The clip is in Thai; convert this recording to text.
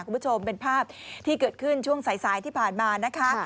คุณผู้ชมเป็นภาพที่เกิดขึ้นช่วงสายที่ผ่านมานะคะ